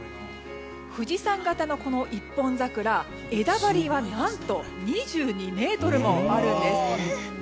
富士山形のこの一本桜枝張りは何と２２ｍもあるんです。